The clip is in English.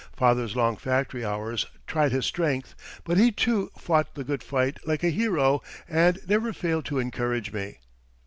Father's long factory hours tried his strength, but he, too, fought the good fight like a hero and never failed to encourage me.